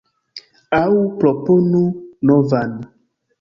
Aŭ proponu novan.